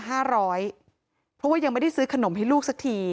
เพราะว่ายังไม่ได้ซื้อขนมให้ลูกสักที